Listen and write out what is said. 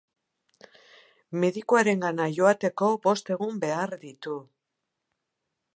Medikuarengana joateko bost egun behar ditu.